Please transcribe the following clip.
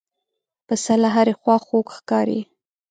پسه له هرې خوا خوږ ښکاري.